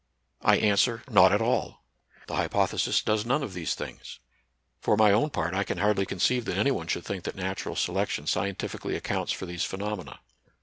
I answer. Not at all! The hypothesis does none of these things. For my own part I can hardly conceive that any one should think that natural selection scientifically accounts for these phenomena.